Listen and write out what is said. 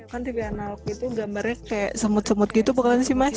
kan tv analog itu gambarnya kayak semut semut gitu pokoknya sih mas